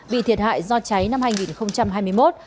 bị thiệt hại do cháy năm hai nghìn hai mươi một